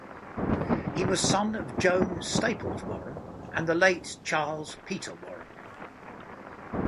He was son of Joan (Staples) Warren and the late Charles Peter Warren.